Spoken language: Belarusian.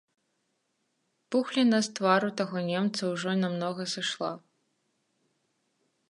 Пухліна з твару таго немца ўжо намнога сышла.